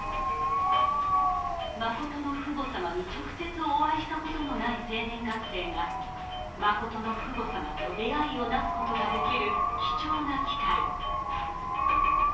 真の父母様に直接お会いしたことのない青年学生が、真の父母様と出会いをなすことができる貴重な機会。